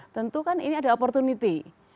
tentu kan ini ada opportunity